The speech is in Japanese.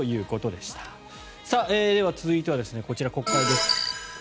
では、続いてはこちら国会です。